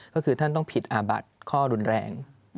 ก็คือท่านต้องผิดอาบัติข้อรุนแรง